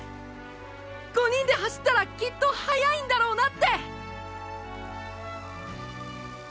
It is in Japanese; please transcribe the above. ５人で走ったらきっと速いんだろうなって！！